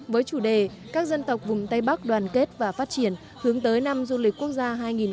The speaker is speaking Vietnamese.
với chủ đề các dân tộc vùng tây bắc đoàn kết và phát triển hướng tới năm du lịch quốc gia hai nghìn hai mươi bốn